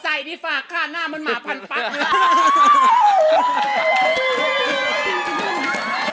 ใส่ที่ฝากฆ่าหน้ามันหมาพันฟัก